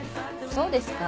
そうですか？